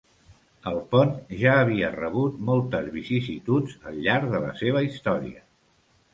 El pont ja havia rebut moltes vicissituds al llarg de la seva història.